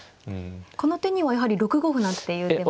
この手にはやはり６五歩なんていう手も。